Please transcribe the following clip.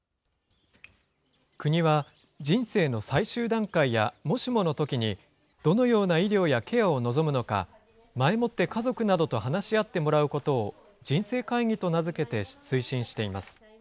国は、人生の最終段階やもしものときに、どのような医療やケアを望むのか、前もって家族などと話し合ってもらうことを、人生会議と名付けて推進しています。